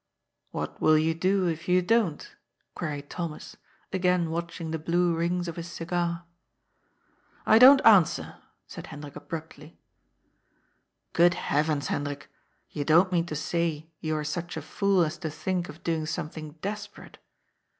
" What will you do, if you don't ?" queried Thomas, again watching the blue rings of his cigar. " I don't answer," said Hendrik abruptly. " Good heavens, Hendrik, you don't mean to say you are such a fool as to think of doing something desperate?